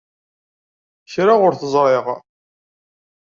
Kra ur t-ẓriɣ.